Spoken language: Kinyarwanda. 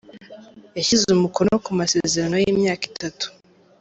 Yashyize umukono ku masezerano y'imyaka itatu.